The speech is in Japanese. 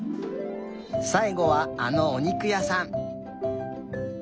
さいごはあのおにくやさん！